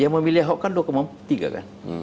yang memilih ahok kan dua tiga kan